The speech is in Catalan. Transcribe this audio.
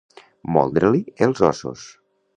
Moldre-li els ossos.